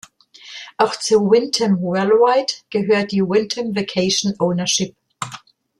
Auch zu Wyndham Worldwide gehört die Wyndham Vacation Ownership.